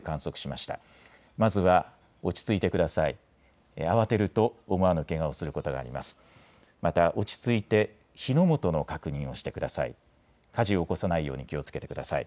また落ち着いて火の元の確認をしてください。